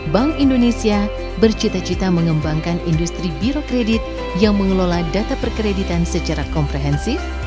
bank indonesia bercita cita mengembangkan industri birokredit yang mengelola data perkreditan secara komprehensif